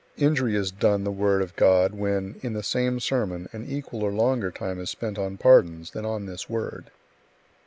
Injury is done the Word of God when, in the same sermon, an equal or a longer time is spent on pardons than on this Word.